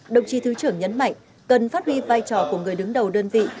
đồng chí thứ trưởng nhấn mạnh cần phát huy vai trò của người đứng đầu đơn vị